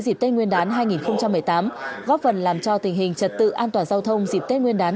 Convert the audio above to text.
dịp tết nguyên đán hai nghìn một mươi tám góp phần làm cho tình hình trật tự an toàn giao thông dịp tết nguyên đán